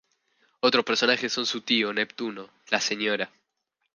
Otros personajes son su tío Neptuno, la Sra.